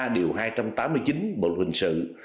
điều hai trăm tám mươi chín bộ luật hình sự